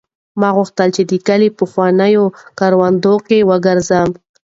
ما غوښتل چې د کلي په پخوانیو کروندو کې وګرځم.